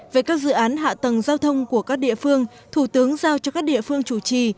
về các dự án hạ tầng giao thông của các địa phương thủ tướng giao cho các địa phương chủ trì